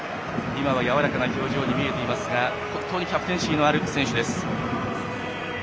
今はやわらかな表情に見えていますが本当にキャプテンシーのある選手です。